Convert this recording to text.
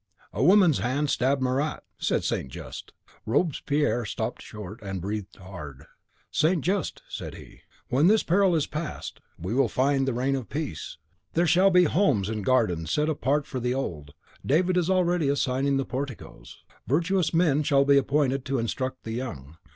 "A woman's hand stabbed Marat," said St. Just. Robespierre stopped short, and breathed hard. "St. Just," said he, "when this peril is past, we will found the Reign of Peace. There shall be homes and gardens set apart for the old. David is already designing the porticos. Virtuous men shall be appointed to instruct the young.